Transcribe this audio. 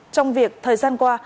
trong việc thời gian qua